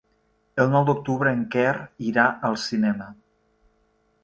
El nou d'octubre en Quer irà al cinema.